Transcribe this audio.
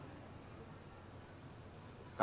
kita harus berusaha